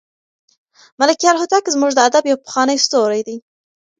ملکیار هوتک زموږ د ادب یو پخوانی ستوری دی.